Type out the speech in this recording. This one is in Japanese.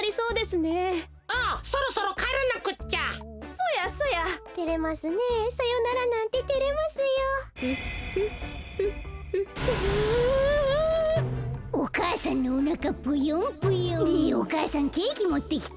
ねえお母さんケーキもってきて。